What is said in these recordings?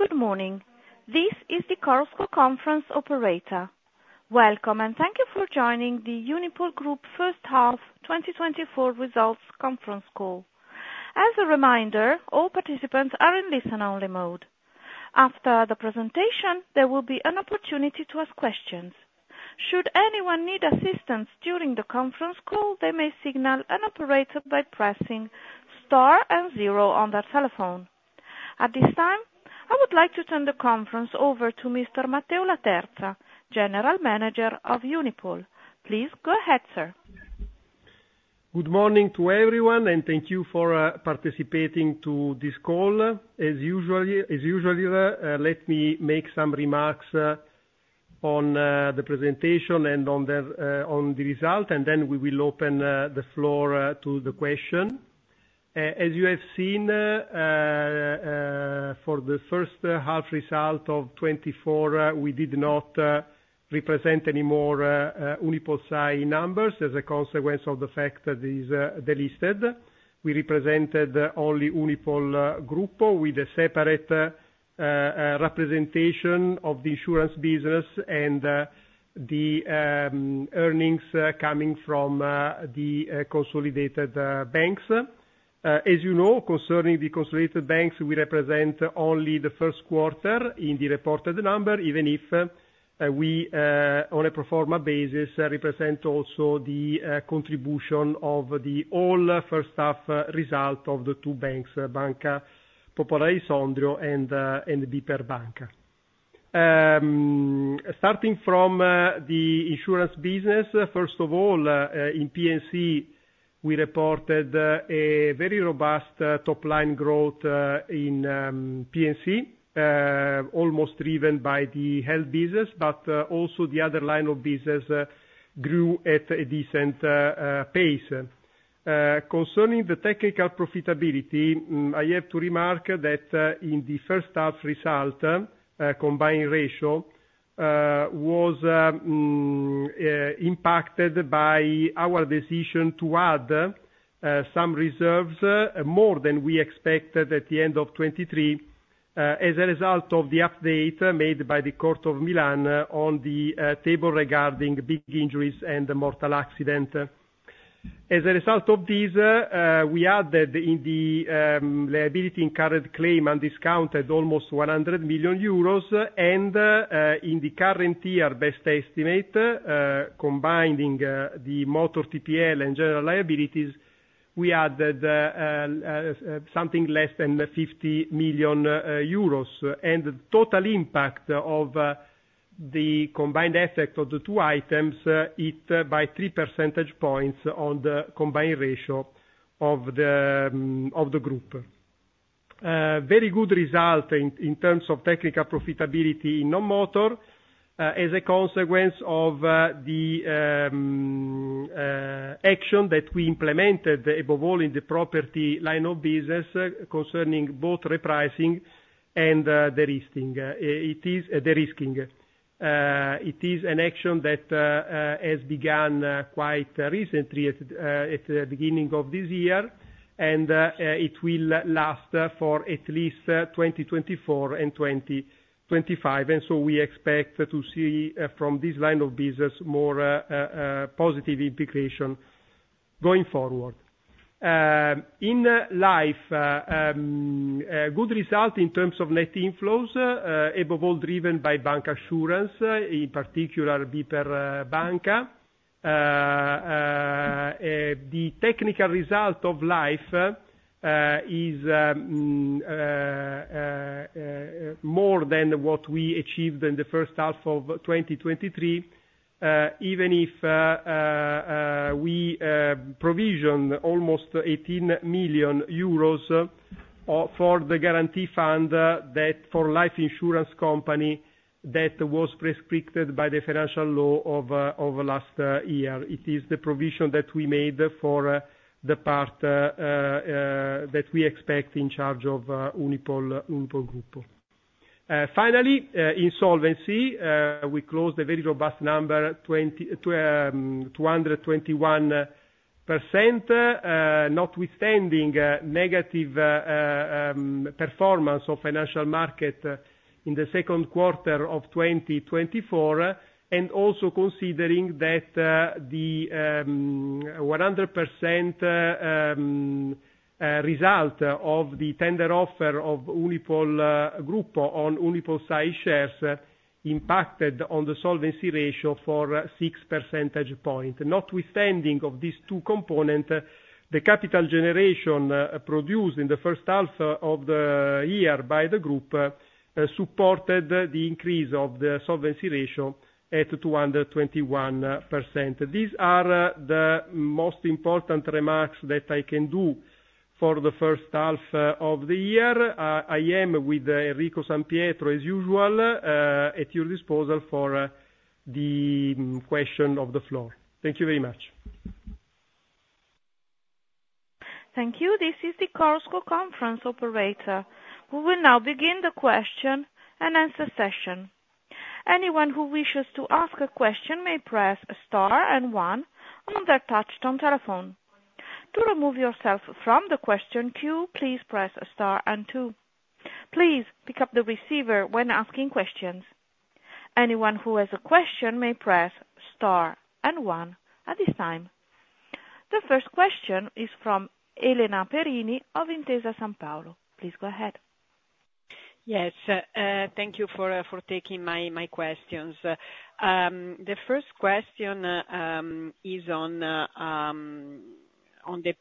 Good morning. This is the Chorus Call conference operator. Welcome, and thank you for joining the Unipol Group first half 2024 results conference call. As a reminder, all participants are in listen-only mode. After the presentation, there will be an opportunity to ask questions. Should anyone need assistance during the conference call, they may signal an operator by pressing Star and zero on their telephone. At this time, I would like to turn the conference over to Mr. Matteo Laterza, General Manager of Unipol. Please go ahead, sir. Good morning to everyone, and thank you for participating to this call. As usually, let me make some remarks on the presentation and on the result, and then we will open the floor to the question. As you have seen, for the first half result of 2024, we did not represent any more UnipolSai numbers as a consequence of the fact that is delisted. We represented only Unipol Group with a separate representation of the insurance business and the earnings coming from the consolidated banks. As you know, concerning the consolidated banks, we represent only the first quarter in the reported number, even if we on a pro forma basis represent also the contribution of the all first half result of the two banks, Banca Popolare di Sondrio and BPER Banca. Starting from the insurance business, first of all, in P&C, we reported a very robust top line growth in P&C almost driven by the health business, but also the other line of business grew at a decent pace. Concerning the technical profitability, I have to remark that in the first half result, combined ratio was impacted by our decision to add some reserves more than we expected at the end of 2023, as a result of the update made by the Court of Milan on the table regarding bodily injuries and the fatal accident. As a result of this, we added in the liability for incurred claims and discounted almost 100 million euros. In the current year best estimate, combining the motor TPL and general liabilities, we added something less than 50 million euros. The total impact of the combined effect of the two items ate by 3 percentage points on the combined ratio of the group. Very good result in terms of technical profitability in non-motor, as a consequence of the action that we implemented, above all in the property line of business, concerning both repricing and derisking. It is derisking. It is an action that has begun quite recently at the beginning of this year. It will last for at least 2024 and 2025, and so we expect to see from this line of business more positive implication going forward. In life, a good result in terms of net inflows, above all, driven by bancassurance, in particular, BPER Banca. The technical result of life is more than what we achieved in the first half of 2023, even if we provisioned almost 18 million euros for the guarantee fund that for life insurance company that was prescribed by the financial law of last year. It is the provision that we made for the part that we expect in charge of Unipol, Unipol Gruppo. Finally, in solvency, we closed a very robust number, twenty... 221%, notwithstanding negative performance of financial market in the second quarter of 2024, and also considering that the 100% result of the tender offer of Unipol Gruppo on UnipolSai shares impacted on the solvency ratio for six percentage points. Notwithstanding these two components, the capital generation produced in the first half of the year by the group supported the increase of the solvency ratio at 221%. These are the most important remarks that I can do for the first half of the year. I am with Enrico San Pietro, as usual, at your disposal for the question of the floor. Thank you very much. Thank you. This is the Chorus Call conference operator. We will now begin the question-and-answer session. Anyone who wishes to ask a question may press star and one on their touchtone telephone. To remove yourself from the question queue, please press star and two. Please pick up the receiver when asking questions. Anyone who has a question may press star and one at this time. The first question is from Elena Perini of Intesa Sanpaolo. Please go ahead. Yes, thank you for taking my questions. The first question is on the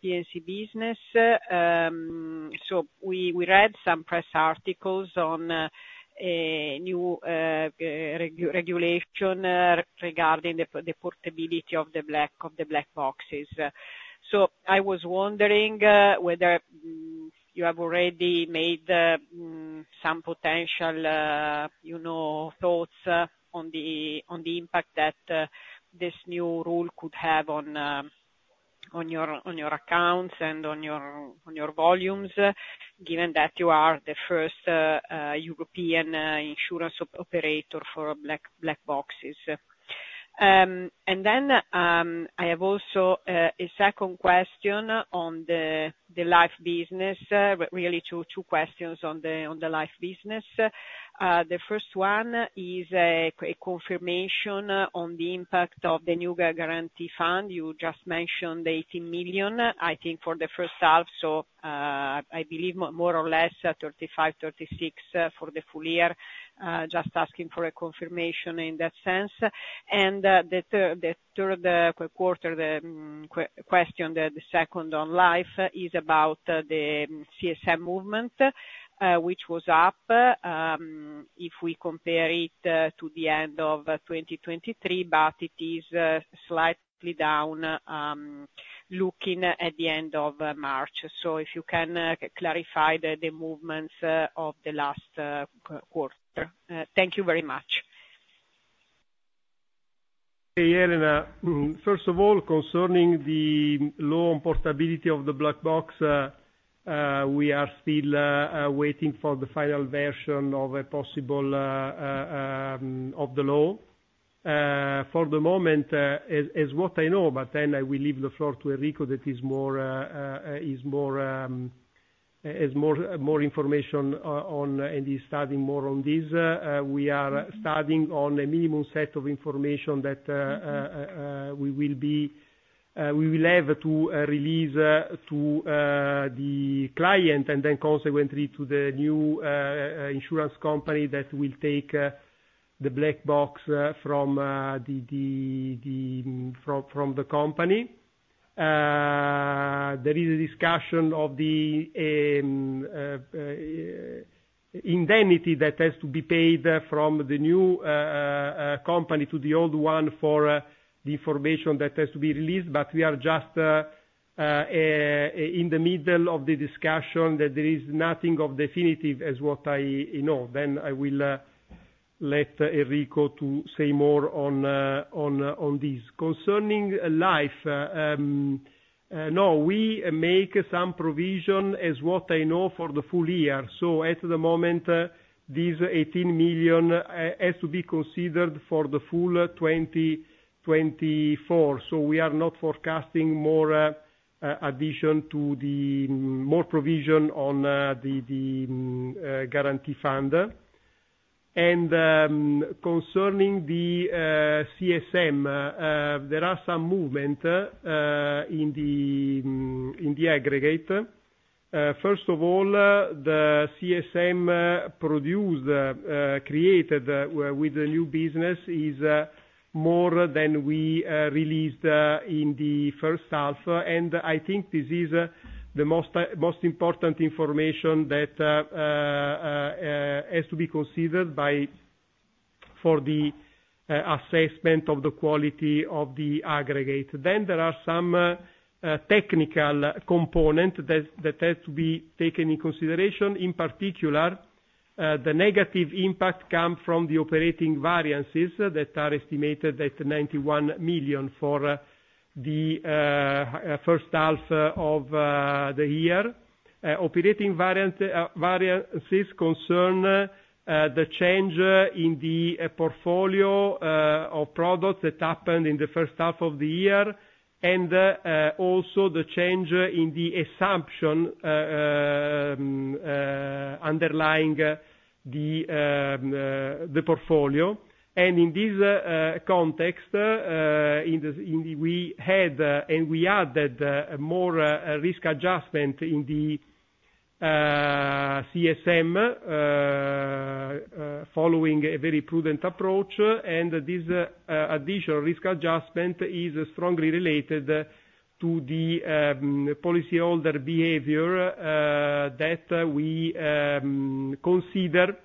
P&C business. So we read some press articles on new regulation regarding the portability of the black boxes. So I was wondering whether you have already made some potential, you know, thoughts on the impact that this new rule could have on your accounts and on your volumes, given that you are the first European insurance operator for black boxes. And then I have also a second question on the life business, but really two questions on the life business. The first one is a confirmation on the impact of the new guarantee fund. You just mentioned the 18 million, I think, for the first half. So, I believe more or less 35 million- 36 million for the full year. Just asking for a confirmation in that sense. The third quarter question, the second on life, is about the CSM movement, which was up if we compare it to the end of 2023, but it is slightly down looking at the end of March. So if you can clarify the movements of the last quarter. Thank you very much. Hey, Elena. First of all, concerning the law on portability of the black box, we are still waiting for the final version of a possible law. For the moment, as what I know, but then I will leave the floor to Enrico that has more information on and is studying more on this. We are studying on a minimum set of information that we will have to release to the client, and then consequently to the new insurance company that will take the black box from the company. There is a discussion of the indemnity that has to be paid from the new company to the old one for the information that has to be released, but we are just in the middle of the discussion, that there is nothing of definitive, as what I know. Then I will let Enrico to say more on on this. Concerning life, no, we make some provision, as what I know, for the full year. So at the moment, this 18 million has to be considered for the full 2024, so we are not forecasting more addition to the more provision on the guarantee fund. Concerning the CSM, there are some movement in the aggregate. First of all, the CSM created with the new business is more than we released in the first half. I think this is the most important information that has to be considered for the assessment of the quality of the aggregate. Then there are some technical component that has to be taken in consideration. In particular, the negative impact come from the operating variances that are estimated at 91 million for the first half of the year. Operating variances concern the change in the portfolio of products that happened in the first half of the year. And also the change in the assumption underlying the portfolio. And in this context, we added more risk adjustment in the CSM following a very prudent approach. And this additional risk adjustment is strongly related to the policyholder behavior that we consider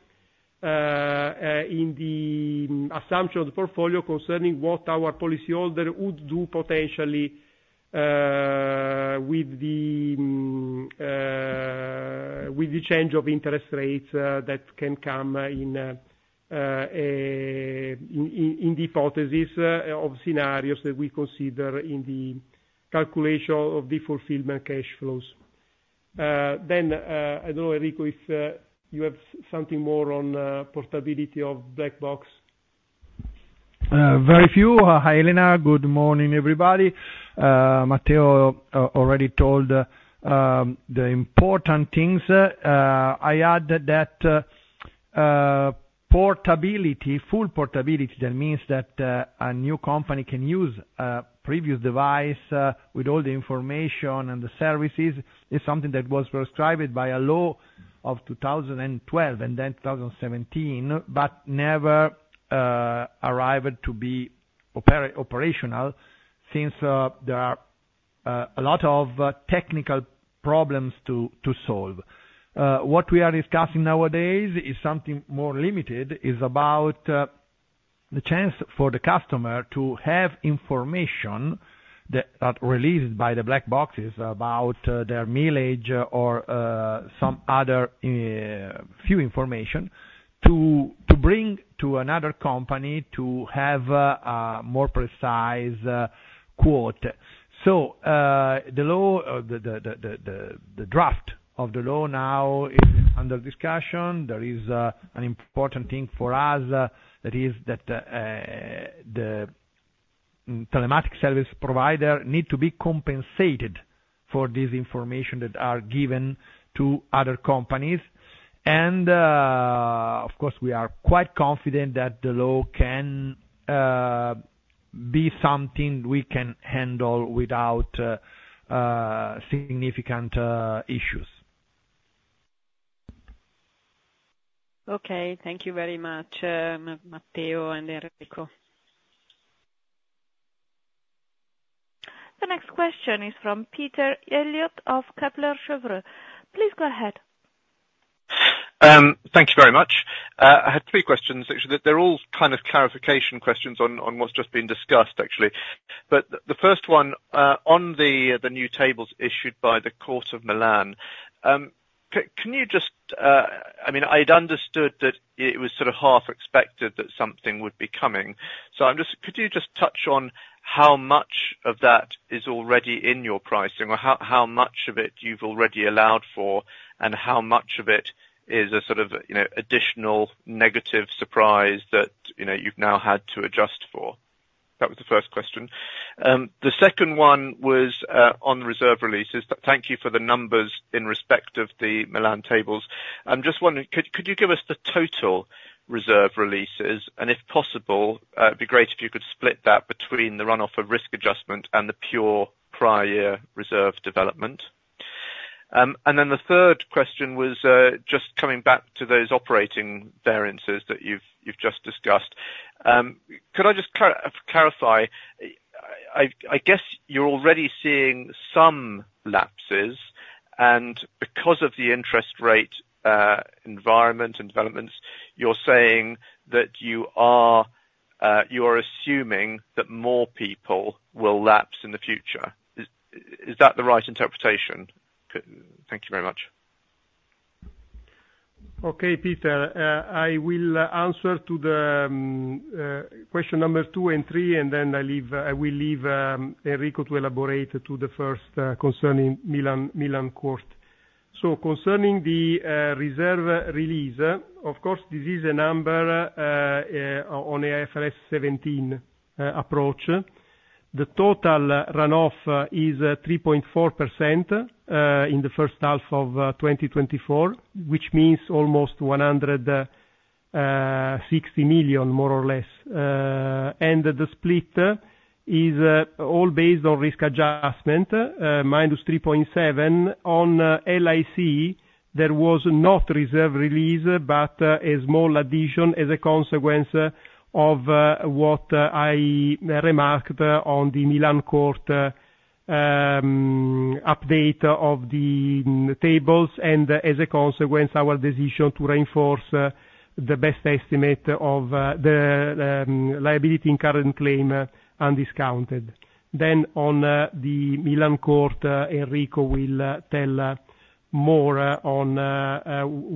in the assumption portfolio concerning what our policyholder would do potentially with the change of interest rates that can come in... in the hypothesis of scenarios that we consider in the calculation of the fulfillment cash flows. Then, I don't know, Enrico, if you have something more on portability of Black Box? Very few. Hi, Elena. Good morning, everybody. Matteo already told the important things. I add that portability, full portability, that means that a new company can use a previous device with all the information and the services, is something that was prescribed by a law of 2012 and then 2017, but never arrived to be operational, since there are a lot of technical problems to solve. What we are discussing nowadays is something more limited, is about the chance for the customer to have information that are released by the black boxes about their mileage or some other few information to bring to another company to have a more precise quote. So, the draft of the law now is under discussion. There is an important thing for us, that the telematic service provider need to be compensated for this information that are given to other companies. And, of course, we are quite confident that the law can be something we can handle without significant issues. Okay. Thank you very much, Matteo and Enrico. The next question is from Peter Eliott of Kepler Cheuvreux. Please go ahead. Thank you very much. I had three questions, actually. They're all kind of clarification questions on what's just been discussed, actually. But the first one, on the new tables issued by the Court of Milan, can you just... I mean, I'd understood that it was sort of half expected that something would be coming, so I'm just—could you just touch on how much of that is already in your pricing, or how much of it you've already allowed for, and how much of it is a sort of, you know, additional negative surprise that, you know, you've now had to adjust for? That was the first question. The second one was on reserve releases. Thank you for the numbers in respect of the Milan tables. I'm just wondering, could you give us the total reserve releases? And if possible, it'd be great if you could split that between the runoff of risk adjustment and the pure prior year reserve development. And then the third question was just coming back to those operating variances that you've just discussed. Could I just clarify, I guess you're already seeing some lapses, and because of the interest rate environment and developments, you're saying that you are assuming that more people will lapse in the future. Is that the right interpretation? Thank you very much. Okay, Peter, I will answer to the question number 2 and 3, and then I will leave Enrico to elaborate to the first concerning the Milan Court. Concerning the reserve release, of course, this is a number on IFRS 17 approach. The total runoff is 3.4% in the first half of 2024, which means almost 160 million, more or less. And the split is all based on risk adjustment minus 3.7. On LIC, there was no reserve release, but a small addition as a consequence of what I remarked on the Milan Court update of the tables, and as a consequence, our decision to reinforce the best estimate of the liability in incurred claims, undiscounted. Then on the Milan Court, Enrico will tell more on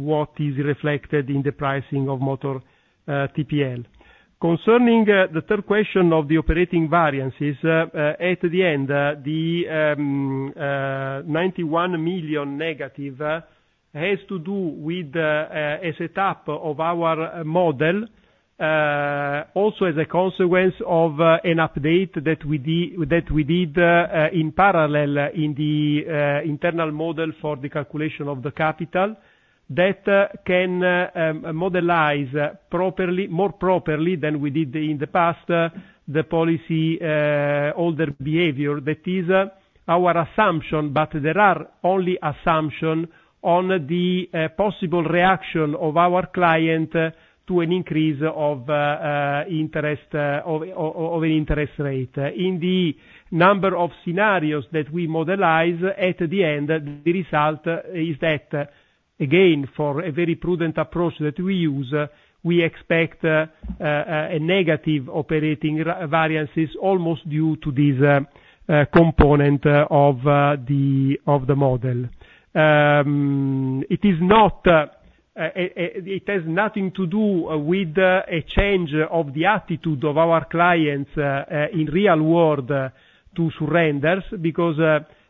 what is reflected in the pricing of motor TPL. Concerning the third question of the operating variances, at the end, the negative 91 million has to do with a setup of our model, also as a consequence of an update that we did in parallel in the internal model for the calculation of the capital, that can modelize properly, more properly than we did in the past, the policyholder behavior. That is our assumption, but there are only assumption on the possible reaction of our client to an increase of an interest rate. In the number of scenarios that we modelize, at the end, the result is that, again, for a very prudent approach that we use, we expect a negative operating variances, almost due to this component of the model. It has nothing to do with a change of the attitude of our clients in real world to surrenders, because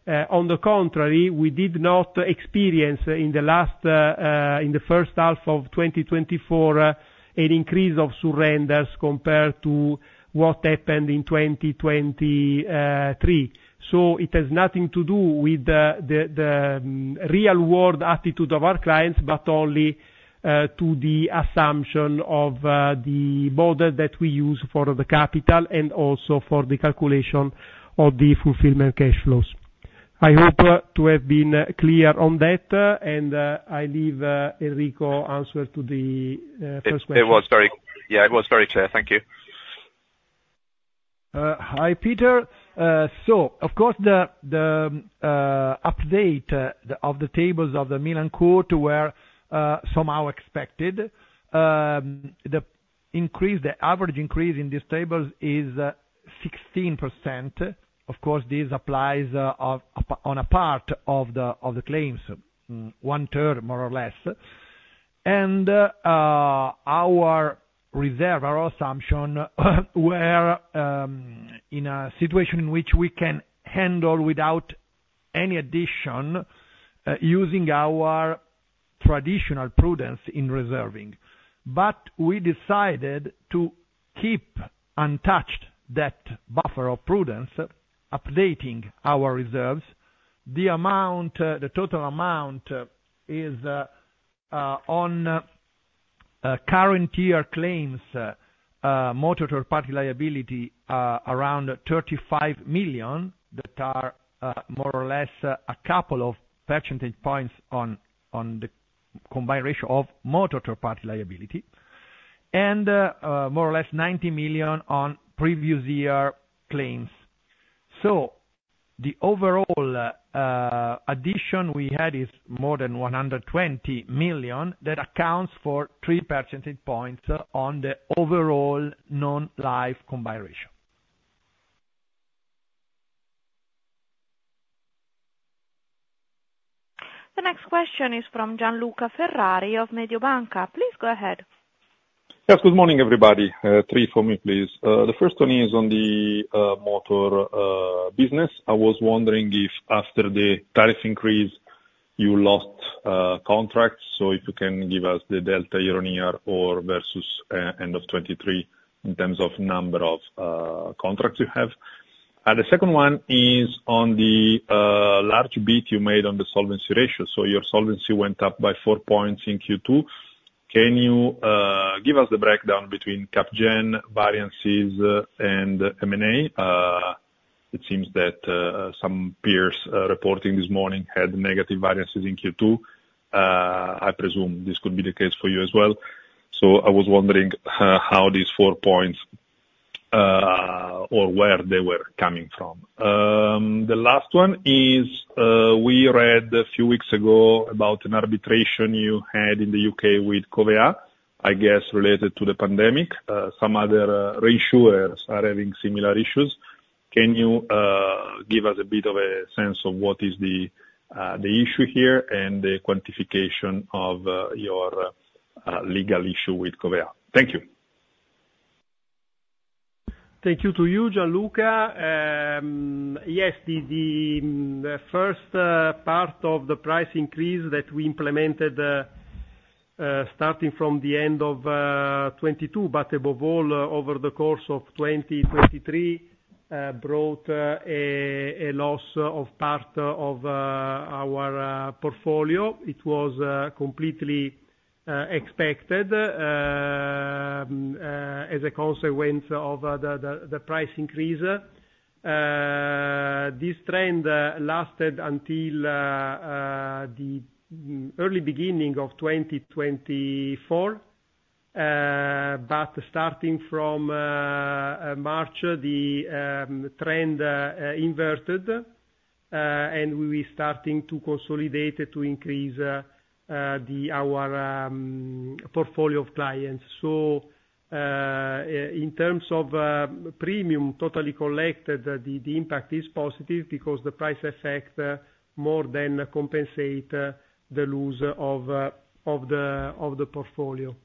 on the contrary, we did not experience in the first half of 2024 an increase of surrenders compared to what happened in 2023. So it has nothing to do with the real world attitude of our clients, but only to the assumption of the model that we use for the capital and also for the calculation of the fulfillment cash flows. I hope to have been clear on that, and I leave Enrico answer to the first question. It was very, yeah, it was very clear. Thank you. Hi, Peter. So of course, the update of the tables of the Milan Court were somehow expected. The average increase in these tables is 16%. Of course, this applies on a part of the claims, one third, more or less. And our reserve, our assumption, were in a situation in which we can handle without any addition, using our traditional prudence in reserving. But we decided to keep untouched that buffer of prudence, updating our reserves. The amount, the total amount, is on current year claims, motor third party liability, around 35 million, that are more or less a couple of percentage points on the combined ratio of motor third party liability, and more or less 90 million on previous year claims. So the overall addition we had is more than 120 million. That accounts for 3 percentage points on the overall non-life combined ratio. The next question is from Gianluca Ferrari of Mediobanca. Please go ahead. Yes, good morning, everybody. Three for me, please. The first one is on the motor business. I was wondering if after the tariff increase, you lost contracts, so if you can give us the delta year-on-year or versus end of 2023 in terms of number of contracts you have. And the second one is on the large beat you made on the solvency ratio, so your solvency went up by 4 points in Q2. Can you give us the breakdown between Cap Gen variances and M&A? It seems that some peers reporting this morning had negative variances in Q2. I presume this could be the case for you as well. So I was wondering how these 4 points or where they were coming from. The last one is, we read a few weeks ago about an arbitration you had in the UK with Covéa, I guess, related to the pandemic. Some other reinsurers are having similar issues. Can you give us a bit of a sense of what is the issue here and the quantification of your legal issue with Covéa? Thank you. Thank you to you, Gianluca. Yes, the first part of the price increase that we implemented starting from the end of 2022, but above all over the course of 2023, brought a loss of part of our portfolio. It was completely expected as a consequence of the price increase. This trend lasted until the early beginning of 2024. But starting from March, the trend inverted, and we were starting to consolidate it to increase our portfolio of clients. So in terms of premium totally collected, the impact is positive because the price effect more than compensate the loss of the portfolio.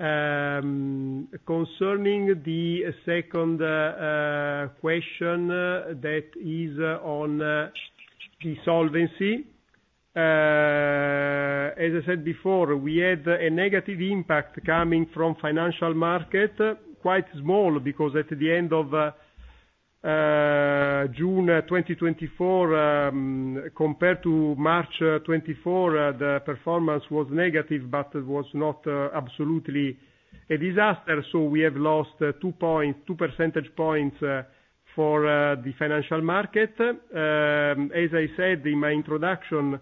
Concerning the second question, that is on the solvency, as I said before, we had a negative impact coming from financial market, quite small, because at the end of June 2024, compared to March 2024, the performance was negative, but it was not absolutely a disaster, so we have lost 2.2 percentage points for the financial market. As I said in my introduction,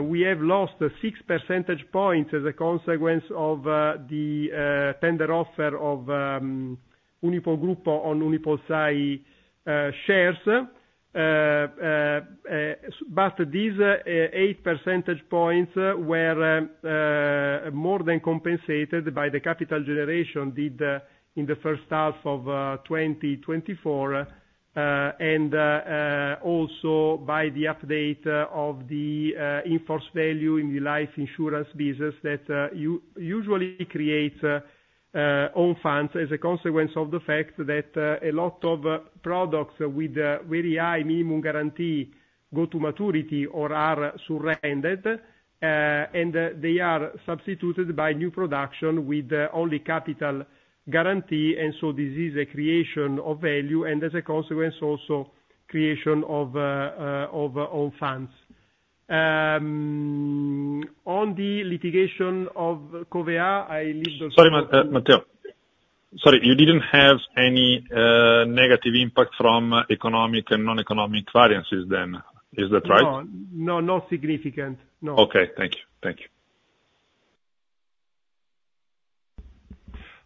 we have lost six percentage points as a consequence of the tender offer of Unipol Gruppo on UnipolSai shares... but these eight percentage points were more than compensated by the capital generation did in the first half of 2024. And also by the update of the in force value in the life insurance business, that you usually creates own funds as a consequence of the fact that a lot of products with very high minimum guarantee go to maturity or are surrendered. And they are substituted by new production with only capital guarantee, and so this is a creation of value, and as a consequence, also creation of own funds. On the litigation of Covéa, I leave those- Sorry, Matteo. Sorry, you didn't have any negative impact from economic and non-economic variances then. Is that right? No, no, not significant. No. Okay, thank you. Thank you.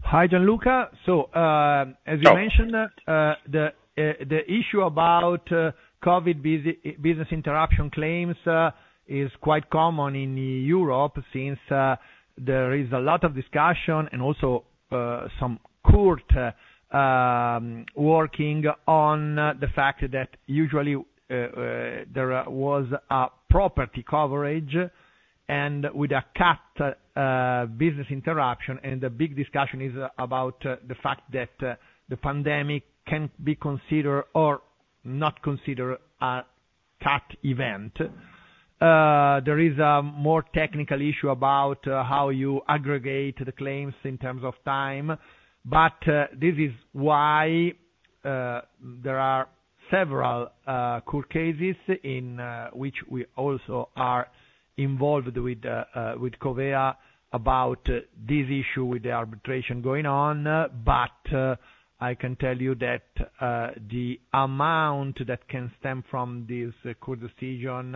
Hi, Gianluca. So, as you mentioned, the issue about COVID business interruption claims is quite common in Europe since there is a lot of discussion and also some court working on the fact that usually there was a property coverage, and with a CAT business interruption. And the big discussion is about the fact that the pandemic can't be considered or not considered a CAT event. There is a more technical issue about how you aggregate the claims in terms of time, but this is why there are several court cases in which we also are involved with Covéa about this issue, with the arbitration going on. But, I can tell you that the amount that can stem from this court decision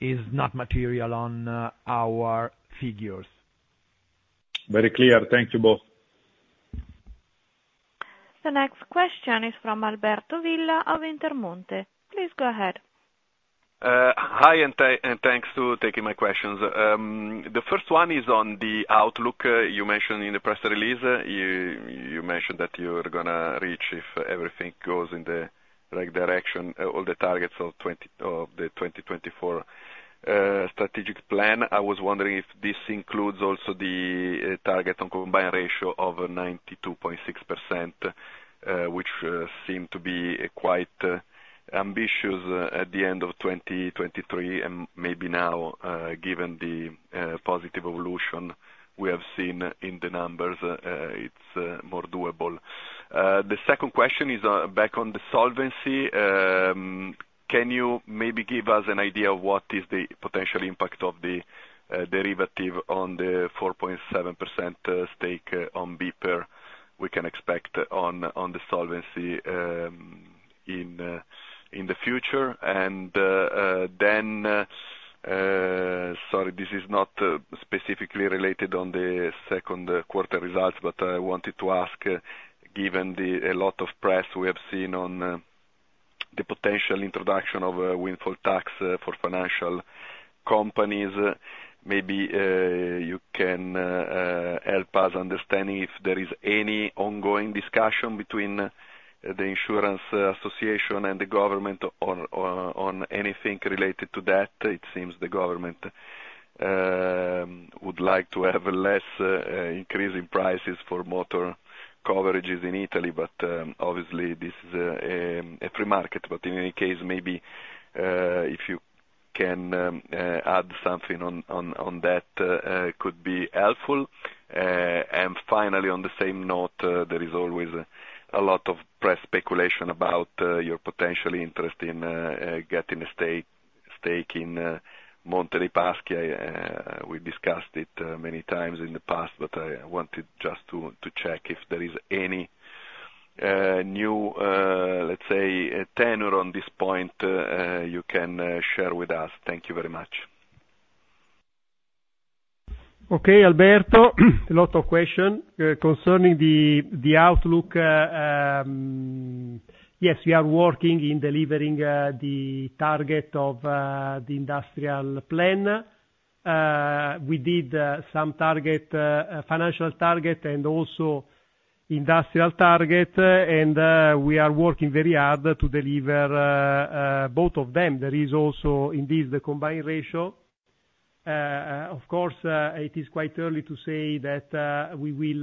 is not material on our figures. Very clear. Thank you both. The next question is from Alberto Villa of Intermonte. Please go ahead. Hi, and thanks for taking my questions. The first one is on the outlook. You mentioned in the press release, you, you mentioned that you're gonna reach, if everything goes in the right direction, all the targets of the 2024 strategic plan. I was wondering if this includes also the target on combined ratio of 92.6%, which seemed to be quite ambitious at the end of 2023, and maybe now, given the positive evolution we have seen in the numbers, it's more doable. The second question is back on the solvency. Can you maybe give us an idea of what is the potential impact of the derivative on the 4.7% stake on BPER we can expect on the solvency in the future? And then sorry, this is not specifically related on the second quarter results, but I wanted to ask, given the a lot of press we have seen on the potential introduction of a windfall tax for financial companies, maybe you can help us understand if there is any ongoing discussion between the insurance association and the government on anything related to that. It seems the government would like to have less increase in prices for motor coverages in Italy, but obviously this is a free market. But in any case, maybe, if you can, add something on that, it could be helpful. And finally, on the same note, there is always a lot of press speculation about your potential interest in getting a stake in Monte dei Paschi. We discussed it many times in the past, but I wanted just to check if there is any new, let's say, tenor on this point you can share with us. Thank you very much. Okay, Alberto, a lot of question. Concerning the outlook, yes, we are working in delivering the target of the industrial plan. We did some target, financial target and also industrial target, and we are working very hard to deliver both of them. There is also, indeed, the combined ratio. Of course, it is quite early to say that we will,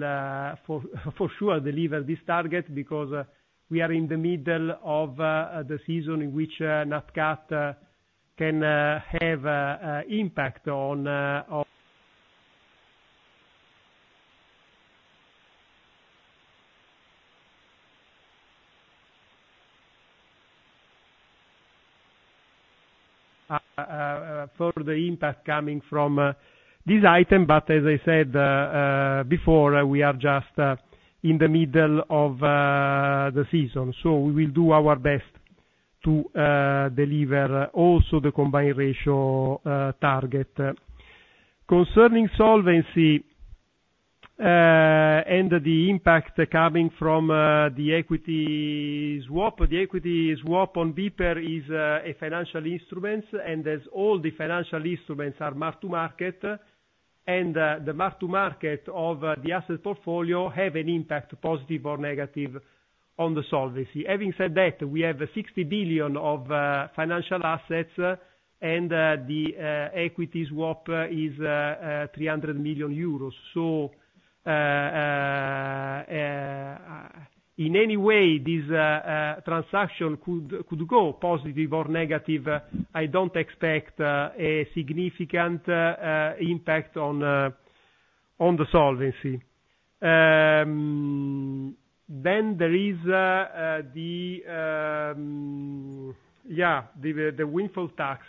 for sure deliver this target, because we are in the middle of the season in which NatCat can have impact on of... for the impact coming from this item, but as I said before, we are just in the middle of the season, so we will do our best to deliver also the combined ratio target. Concerning solvency and the impact coming from the equity swap. The equity swap on BPER is a financial instruments, and as all the financial instruments are mark to market, and the mark to market of the asset portfolio have an impact, positive or negative, on the solvency. Having said that, we have 60 billion of financial assets, and the equity swap is 300 million euros. So in any way, this transaction could go positive or negative. I don't expect a significant impact on the solvency. Then there is the windfall tax.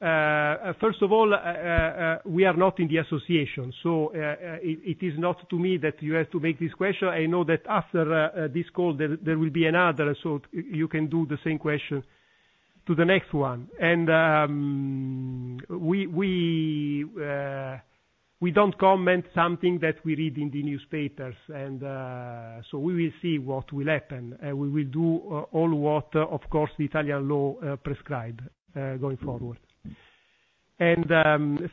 First of all, we are not in the association, so it is not to me that you have to make this question. I know that after this call, there will be another, so you can do the same question to the next one. And we don't comment something that we read in the newspapers, and so we will see what will happen. We will do all what, of course, the Italian law prescribe going forward. And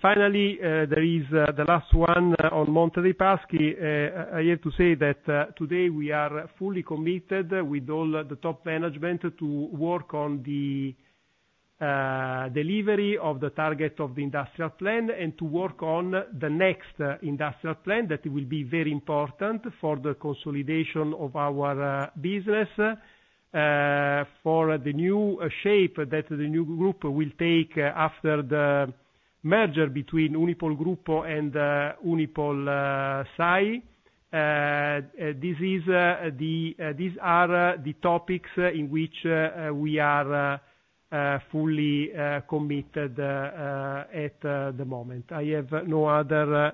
finally, there is the last one on Monte dei Paschi. I have to say that today we are fully committed with all the top management to work on the delivery of the target of the industrial plan, and to work on the next industrial plan. That will be very important for the consolidation of our business for the new shape that the new group will take after the merger between Unipol Gruppo and Unipol Sai. These are the topics in which we are fully committed at the moment. I have no other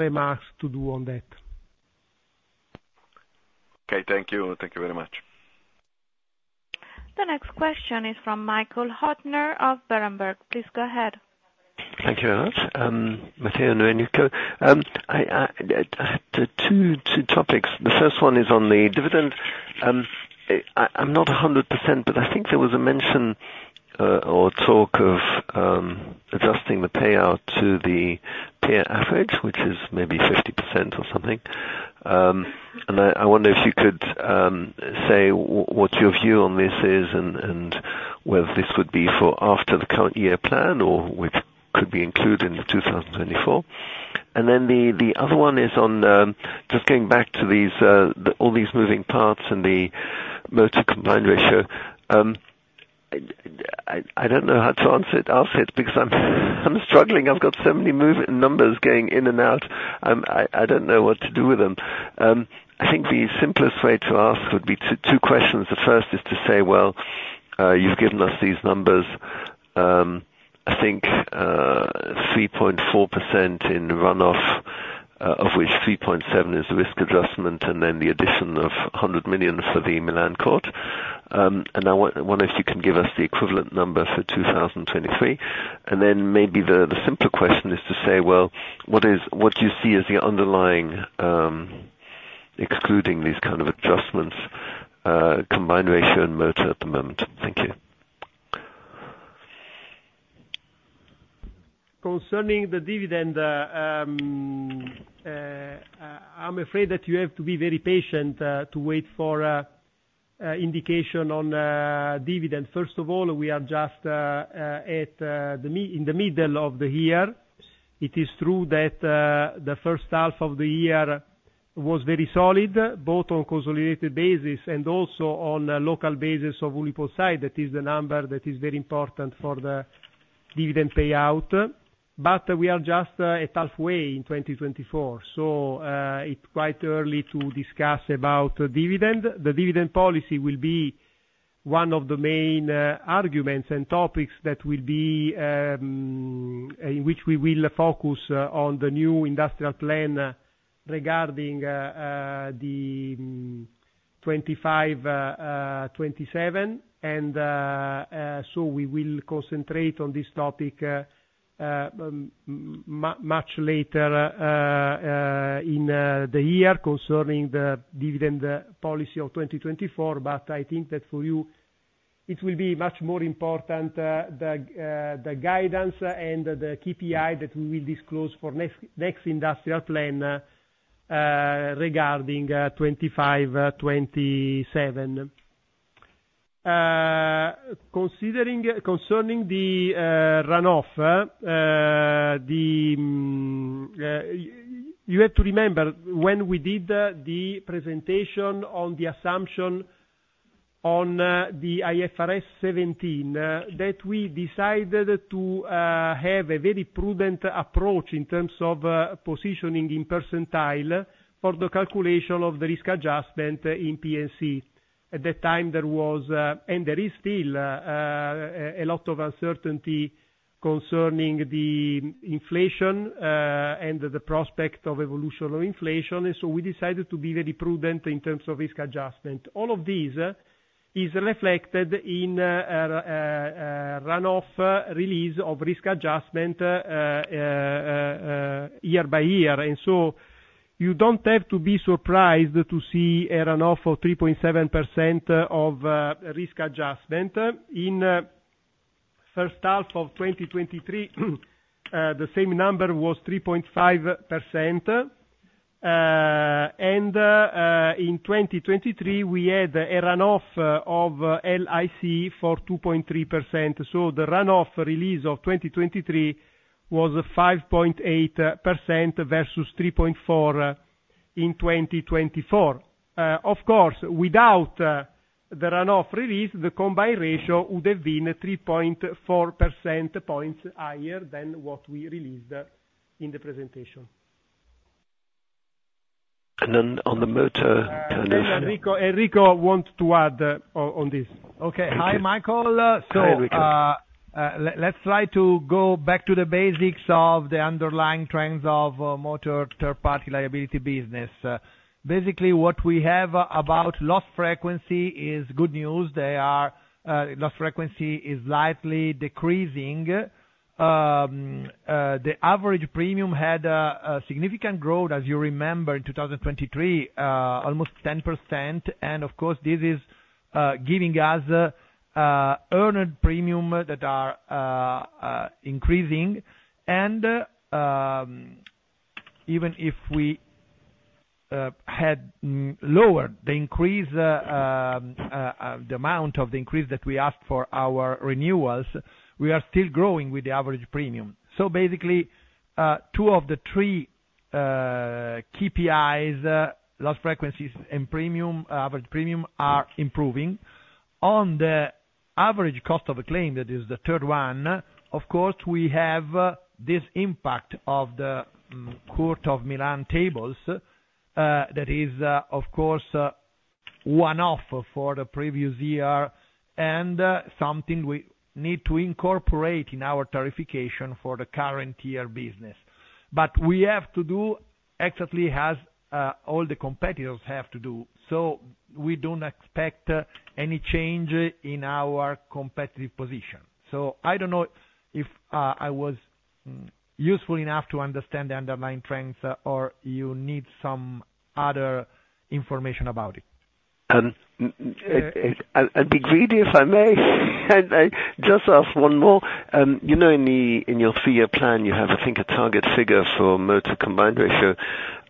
remarks to do on that. Okay, thank you. Thank you very much. The next question is from Michael Huttner of Berenberg. Please go ahead. Thank you very much. Matteo Laterza. I two topics. The first one is on the dividend. I'm not 100%, but I think there was a mention or talk of adjusting the payout to the peer average, which is maybe 50% or something. And I wonder if you could say what your view on this is, and whether this would be for after the current year plan, or which could be included in the 2024. Then the other one is on just going back to these all these moving parts and the motor Combined Ratio. I don't know how to answer it, ask it, because I'm struggling. I've got so many moving numbers going in and out, I don't know what to do with them. I think the simplest way to ask would be two questions. The first is to say, well, you've given us these numbers, I think, 3.4% in runoff, of which 3.7% is the risk adjustment, and then the addition of 100 million for the Milan Court. And I wonder if you can give us the equivalent number for 2023. And then maybe the simpler question is to say, well, what is... What you see as the underlying, excluding these kind of adjustments, combined ratio and motor at the moment? Thank you. Concerning the dividend, I'm afraid that you have to be very patient to wait for indication on dividend. First of all, we are just in the middle of the year. It is true that the first half of the year was very solid, both on consolidated basis and also on a local basis of UnipolSai. That is the number that is very important for the dividend payout, but we are just at halfway in 2024, so it's quite early to discuss about dividend. The dividend policy will be one of the main arguments and topics that will be in which we will focus on the new industrial plan regarding the 2025, 2027. So we will concentrate on this topic much later in the year concerning the dividend policy of 2024. But I think that for you, it will be much more important, the guidance and the KPI that we will disclose for next industrial plan regarding 2025-2027. Considering the runoff, you have to remember, when we did the presentation on the assumption on the IFRS 17, that we decided to have a very prudent approach in terms of positioning in percentile for the calculation of the risk adjustment in P&C. At that time, there was, and there is still, a lot of uncertainty concerning the inflation, and the prospect of evolution of inflation, so we decided to be very prudent in terms of risk adjustment. All of these is reflected in, a runoff release of risk adjustment, year by year. And so you don't have to be surprised to see a runoff of 3.7% of risk adjustment. In first half of 2023, the same number was 3.5%, and, in 2023, we had a runoff of LIC for 2.3%. So the runoff release of 2023 was 5.8% versus 3.4% in 2024. Of course, without the runoff release, the Combined Ratio would have been 3.4 percentage points higher than what we released in the presentation. And then on the motor penetration- Enrico, Enrico wants to add on this. Okay. Thank you. Hi, Michael. Hi, Enrico. So, let's try to go back to the basics of the underlying trends of motor third party liability business. Basically, what we have about loss frequency is good news. They are, loss frequency is slightly decreasing, the average premium had a significant growth, as you remember, in 2023, almost 10%, and of course, this is giving us earned premium that are increasing. And, even if we had lower the increase, the amount of the increase that we asked for our renewals, we are still growing with the average premium. So basically, two of the three KPIs, loss frequencies and premium, average premium, are improving. On the average cost of a claim, that is the third one, of course, we have this impact of the Court of Milan tables, that is, of course, one-off for the previous year, and something we need to incorporate in our tariffication for the current year business. But we have to do exactly as all the competitors have to do, so we don't expect any change in our competitive position. So I don't know if I was useful enough to understand the underlying trends or you need some other information about it. I'd be greedy, if I may, and I just ask one more. You know, in your three-year plan, you have, I think, a target figure for motor combined ratio.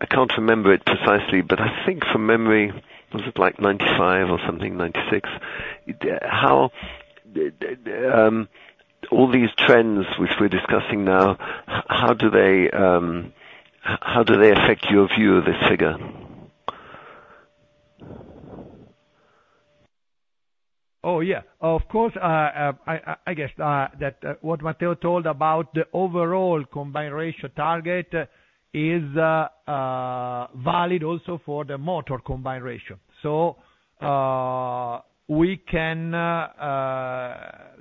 I can't remember it precisely, but I think from memory, was it like 95 or something, 96? How all these trends which we're discussing now, how do they affect your view of this figure? Oh, yeah. Of course, I guess that what Matteo told about the overall combined ratio target is valid also for the motor combined ratio. So, we can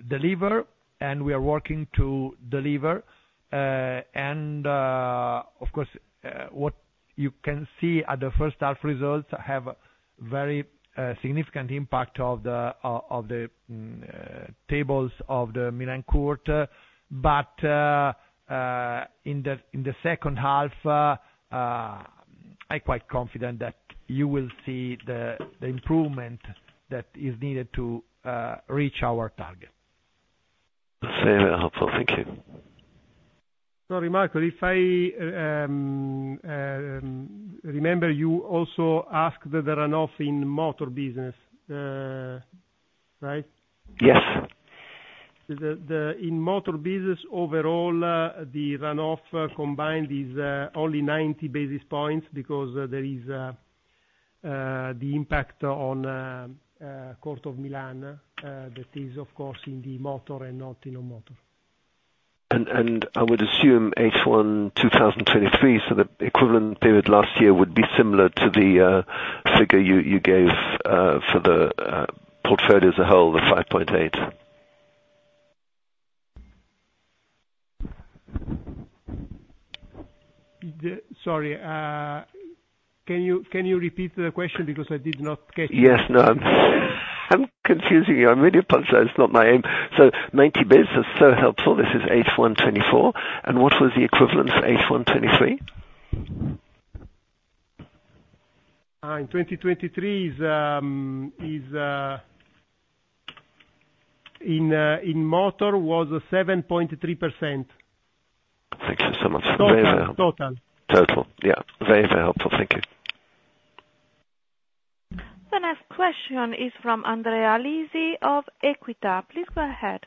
deliver, and we are working to deliver, and of course, what you can see at the first half results have very significant impact of the tables of the Milan Court. But, in the second half, I quite confident that you will see the improvement that is needed to reach our target. Very helpful. Thank you. Sorry, Michael, if I remember, you also asked the runoff in motor business, right? Yes. In motor business overall, the runoff combined is only 90 basis points because there is the impact on Court of Milan, that is, of course, in the motor and not in non-motor. I would assume H1 2023, so the equivalent period last year would be similar to the figure you gave for the portfolio as a whole, the 5.8. Sorry, can you repeat the question because I did not get it? Yes. No, I'm confusing you. I really apologize, it's not my aim. So 90 basis, so helpful, this is H1 2024, and what was the equivalent for H1 2023? In 2023 is in motor was 7.3%. Thank you so much. Total. Total. Total. Yeah, very, very helpful. Thank you. The next question is from Andrea Lisi of Equita. Please go ahead.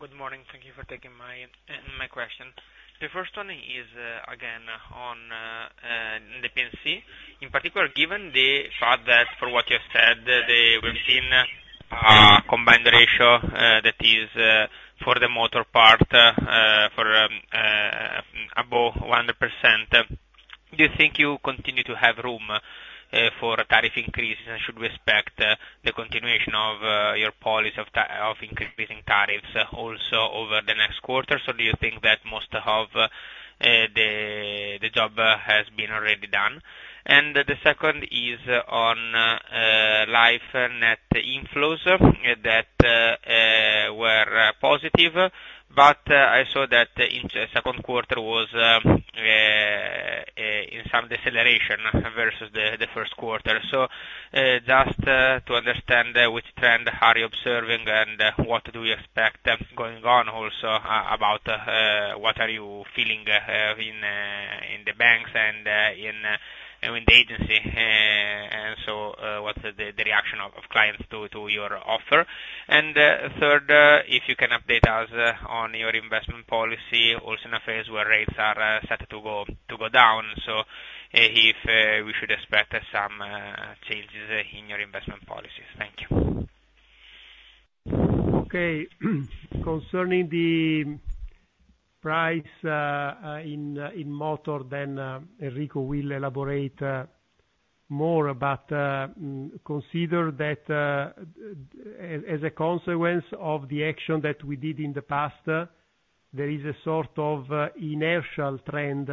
Good morning. Thank you for taking my question. The first one is, again, on the P&C. In particular, given the fact that for what you have said, that we've seen, combined ratio that is for the motor part above 100%, do you think you continue to have room for tariff increases, and should we expect the continuation of your policy of increasing tariffs also over the next quarter? So do you think that most of the job has been already done? And the second is on life net inflows that were positive. But I saw that in the second quarter was in some deceleration versus the first quarter. So, just to understand which trend are you observing, and what do we expect going on also about what are you feeling in the banks and in the agency, and so what's the reaction of clients to your offer? And third, if you can update us on your investment policy also in a phase where rates are set to go down, so if we should expect some changes in your investment policies. Thank you. Okay. Concerning the price in motor, then Enrico will elaborate more, but consider that as a consequence of the action that we did in the past, there is a sort of inertial trend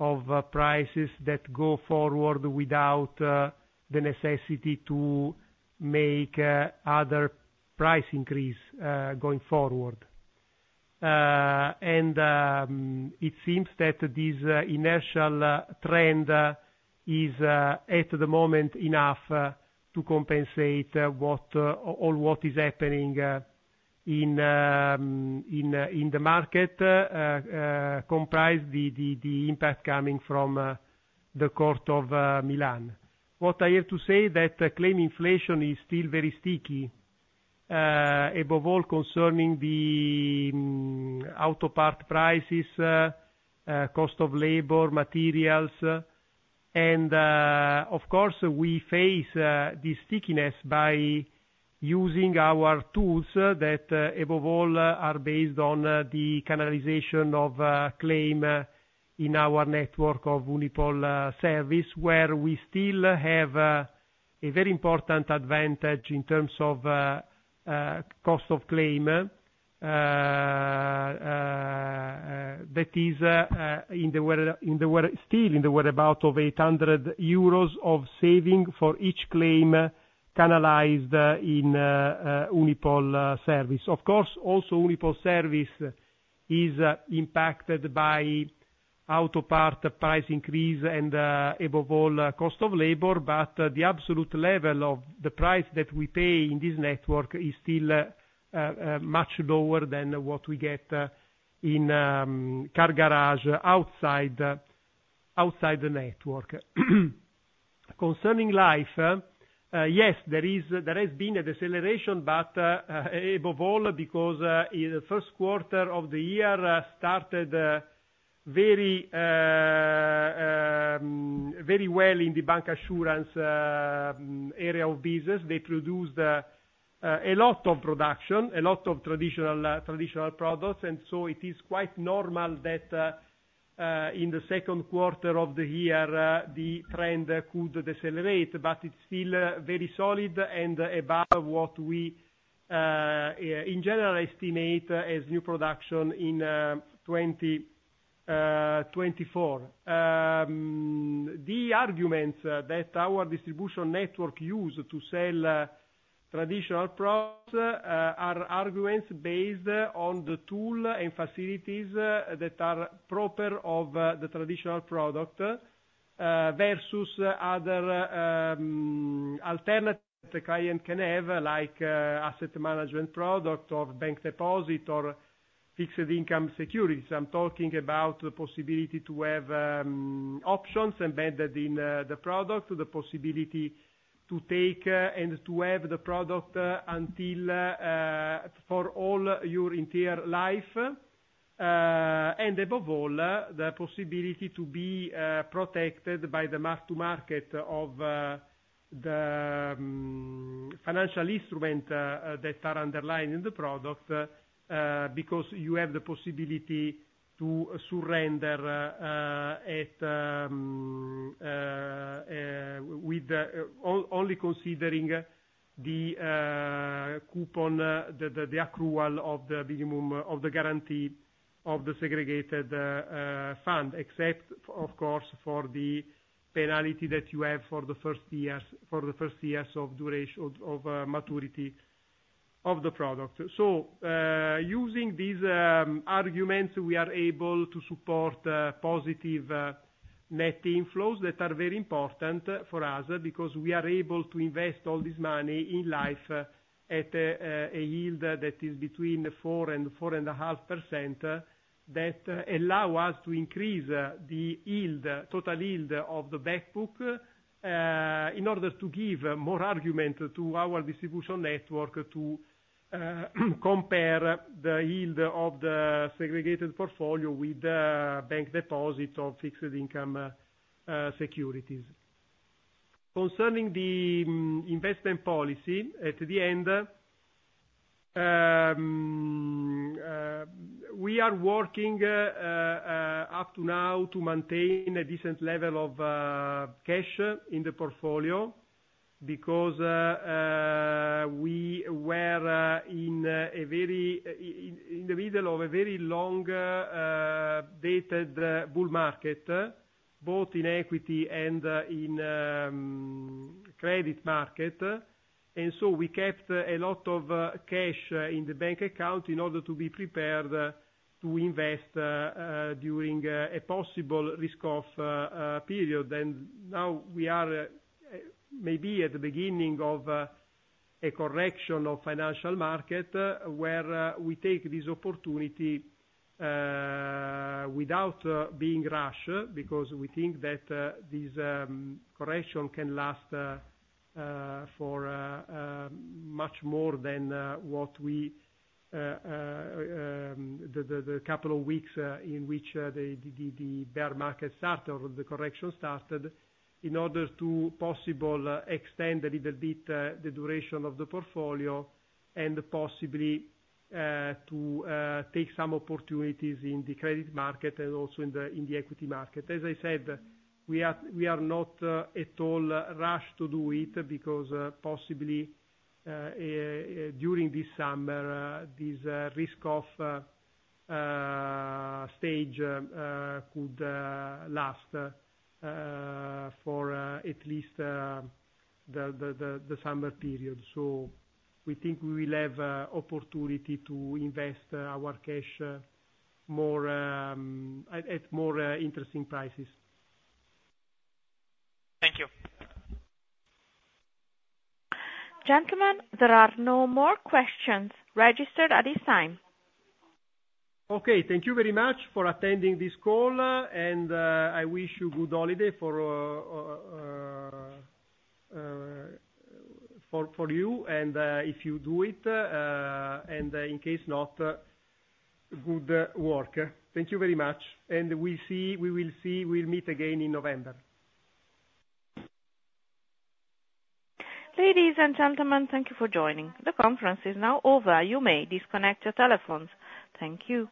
of prices that go forward without the necessity to make other price increase going forward. And it seems that this inertial trend is at the moment enough to compensate what all what is happening in the market, comprise the impact coming from the Court of Milan. What I have to say that claim inflation is still very sticky, above all concerning the auto part prices, cost of labor, materials. Of course, we face the stickiness by using our tools that above all are based on the canalization of claim in our network of UnipolService, where we still have a very important advantage in terms of cost of claim. That is, well, still in the whereabouts of 800 euros of saving for each claim canalized in UnipolService. Of course, also UnipolService is impacted by auto part price increase and, above all, cost of labor, but the absolute level of the price that we pay in this network is still much lower than what we get in car garage outside the network. Concerning life, yes, there is, there has been a deceleration, but, above all, because, in the first quarter of the year, started very very well in the bancassurance area of business. They produced a lot of production, a lot of traditional traditional products, and so it is quite normal that, in the second quarter of the year, the trend could decelerate. But it's still very solid and above what we in general estimate as new production in 2024. The arguments that our distribution network use to sell traditional products are arguments based on the tool and facilities that are proper of the traditional product versus other alternate the client can have, like asset management product, or bank deposit, or fixed income securities. I'm talking about the possibility to have options embedded in the product, the possibility to take and to have the product until for all your entire life. And above all, the possibility to be protected by the mark to market of the financial instrument that are underlying the product, because you have the possibility to surrender at with on-only considering the coupon, the accrual of the minimum of the guarantee of the segregated fund. Except, of course, for the penalty that you have for the first years of duration of maturity of the product. So, using these arguments, we are able to support positive net inflows that are very important for us, because we are able to invest all this money in life at a yield that is between 4% and 4.5%, that allow us to increase the yield, total yield of the back book, in order to give more argument to our distribution network to compare the yield of the segregated portfolio with bank deposits of fixed income securities. Concerning the investment policy, at the end, we are working up to now to maintain a decent level of cash in the portfolio because... We were in the middle of a very long-dated bull market, both in equity and in credit market. And so we kept a lot of cash in the bank account in order to be prepared to invest during a possible risk-off period. And now we are maybe at the beginning of a correction of financial market, where we take this opportunity without being rushed, because we think that this correction can last for much more than the couple of weeks in which the bear market started or the correction started, in order to possible extend a little bit the duration of the portfolio and possibly to take some opportunities in the credit market and also in the equity market. As I said, we are not at all rushed to do it because, possibly, during this summer, this risk of stage could last for at least the summer period. So we think we will have opportunity to invest our cash more at more interesting prices. Thank you. Gentlemen, there are no more questions registered at this time. Okay. Thank you very much for attending this call, and, I wish you good holiday for, for you, and, if you do it, and in case not, good work. Thank you very much, and we see, we will see, we'll meet again in November. Ladies and gentlemen, thank you for joining. The conference is now over. You may disconnect your telephones. Thank you.